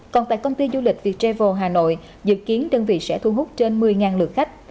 còn tại công ty du lịch viettravel hà nội dự kiến đơn vị sẽ thu hút trên một mươi lượt khách